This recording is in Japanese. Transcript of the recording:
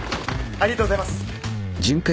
ありがとうございます。